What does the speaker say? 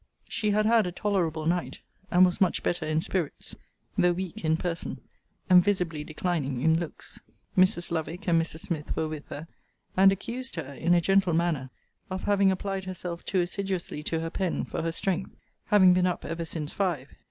She had had a tolerable night, and was much better in spirits; though weak in person; and visibly declining in looks. Mrs. Lovick and Mrs. Smith were with her; and accused her, in a gentle manner, of having applied herself too assiduously to her pen for her strength, having been up ever since five.